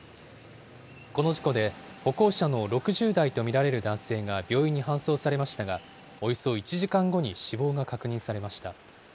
この事故で歩行者の６０代と見られる男性が病院に搬送されましたが、およそ１時間後に死亡が確認されました。